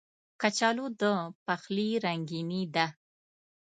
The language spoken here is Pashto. کچالو د پخلي رنګیني ده